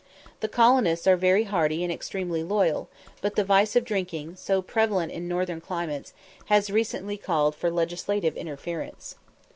The colonists are very hardy and extremely loyal; but the vice of drinking, so prevalent in northern climates, has recently called for legislative interference.